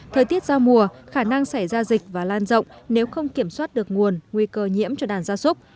thời tiết giao mùa khả năng xảy ra dịch và lan rộng nếu không kiểm soát được nguồn nguy cơ nhiễm cho đàn gia súc